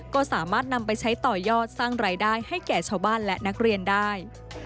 ก็สามารถนำไปใช้ต่อยอดสร้างรายได้ให้แก่ชาวบ้านและนักเรียนได้